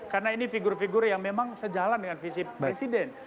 karena ini figur figur yang memang sejalan dengan visi presiden